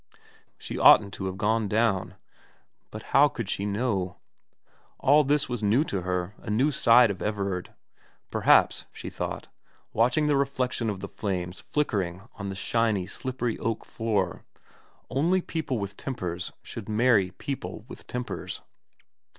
She oughtn't to have gone down. But how could she know ? All this was new to her, a new side of Everard. Perhaps, she thought, watching the reflection of the flames flickering on the shiny, slippery oak floor, only people with tempers should marry people with tempers.